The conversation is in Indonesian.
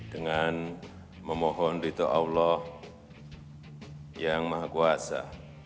dengan memohon rito allah yang maha kuasa